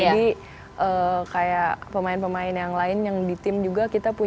jadi kayak pemain pemain yang lain yang di tim juga kita punya